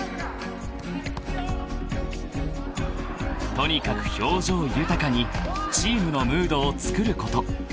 ［とにかく表情豊かにチームのムードをつくること］